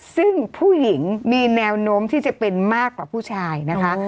ซึ่งผู้หญิงมีแนวโน้มที่จะเป็นมากกว่าผู้ชายนะคะ